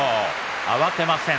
慌てません